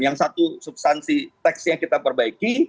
yang satu substansi teks yang kita perbaiki